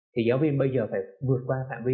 thì giáo viên bây giờ phải vượt qua phạm vi